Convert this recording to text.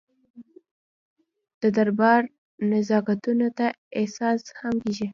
د دربار نزاکتونه ته احساس نه کېږي.